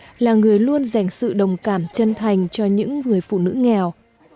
chị julie là người luôn dành sự đồng cảm chân thành cho những người phụ nữ nghèo